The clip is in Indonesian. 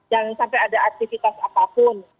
jangan sampai ada aktivitas apapun